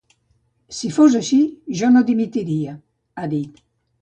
Si fos així, jo no dimitiria, ha dit.